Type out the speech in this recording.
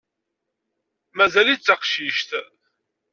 Mazal-itt d taqcict.